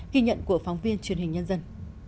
ghi nhận của phóng viên truyền hình nhân dân